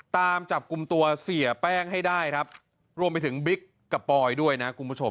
ตามจับกลุ่มตัวเสียแป้งให้ได้ครับรวมไปถึงบิ๊กกับปอยด้วยนะคุณผู้ชม